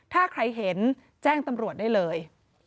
ถ้าใครเห็นแจ้งตำรวจได้เลย